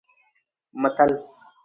متل